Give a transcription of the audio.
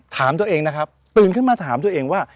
ถามตัวเองนะครับตื่นขึ้นมาถามตัวเองว่า